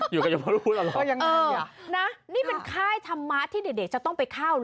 อยู่ในโยมทูตแล้วเหรอเออนะนี่เป็นค่ายธรรมะที่เด็กจะต้องไปเข้า